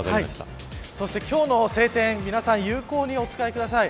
そして今日の晴天皆さん、有効にお使いください。